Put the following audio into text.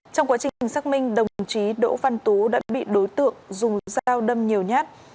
trong quá trình xác minh đồng chí đỗ văn tú đã bị đối tượng dùng dao đâm nhiều nhát